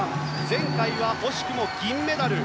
前回は惜しくも銀メダル。